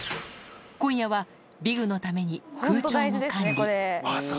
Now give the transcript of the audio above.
今夜はビグのために空調も管理。